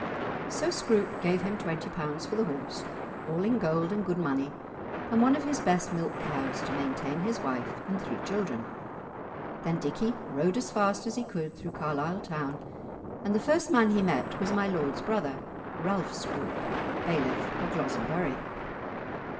So Scroope gave him twenty pounds for the horse, all in gold and good money, and one of his best milk cows to maintain his wife and three children. Then Dickie rode as fast as he could through Carlisle town, and the first man he met was my lord's brother, Ralph Scroope, Bailiff of Glozenburrie.